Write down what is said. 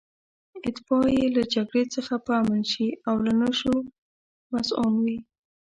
اتباع یې له جګړې څخه په امن شي او له نشو مصئون وي.